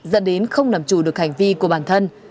dẫn đến không làm chủ được hành vi của bản thân